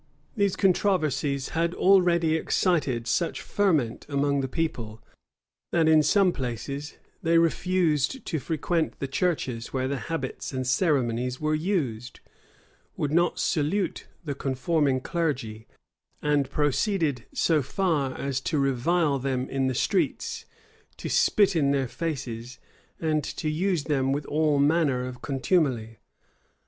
These controversies had already excited such ferment among the people, that in some places, they refused to frequent the churches where the habits and ceremonies were used; would not salute the conforming clergy; and proceeded so far as to revile them in the streets, to spit in their faces, and to use them with all manner of contumely.